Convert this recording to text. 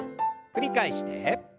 繰り返して。